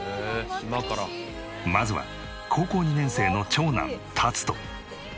まずは高校２年生の長男タツト。